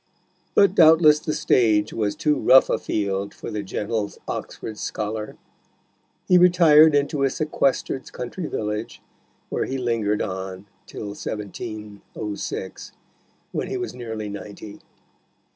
But doubtless the stage was too rough a field for the gentle Oxford scholar. He retired into a sequestered country village, where he lingered on till 1706, when he was nearly ninety.